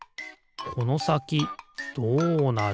このさきどうなる？